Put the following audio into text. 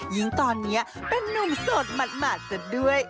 ยิ่งตอนนี้เป็นนุ่มโสดหมาดซะด้วย